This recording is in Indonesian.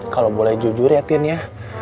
kalau boleh jujur ya tim ya